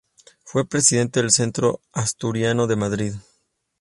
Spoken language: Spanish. Fue presidente del Centro Asturiano de Madrid.